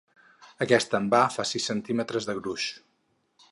Aquest envà fa sis centímetres de gruix.